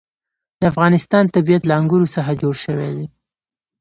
د افغانستان طبیعت له انګور څخه جوړ شوی دی.